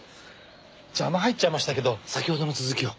邪魔入っちゃいましたけど先ほどの続きを。